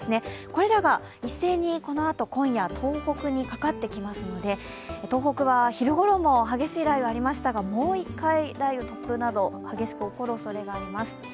これらが一斉にこのあと、今夜、東北にかかってきますので、東北は昼ごろも激しい雷雨がありましたがもう一回、雷雨、突風など激しく起こるおそれがあります。